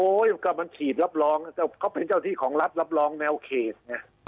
โอ๊ยก็มันขีดรับรองเขาเป็นเจ้าที่ของรัฐรับรองแนวเขตเนี่ย